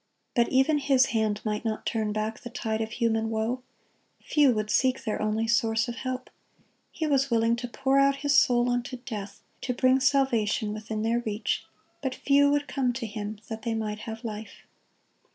But even His hand might not turn back the tide of human woe; few would seek their only Source of help. He was willing to pour out His soul unto death, to bring salvation within their reach; but few would come to Him that they might have life.